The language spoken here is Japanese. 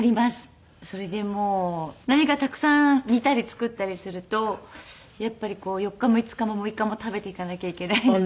それでもう何かたくさん煮たり作ったりするとやっぱり４日も５日も６日も食べていかなきゃいけないので。